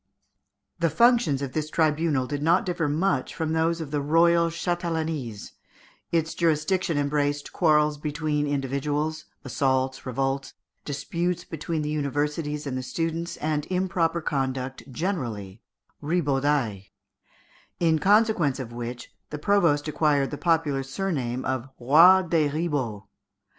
The functions of this tribunal did not differ much from those of the royal châtellenies: its jurisdiction embraced quarrels between individuals, assaults, revolts, disputes between the universities and the students, and improper conduct generally (ribaudailles), in consequence of which the provost acquired the popular surname of Roi des Ribauds.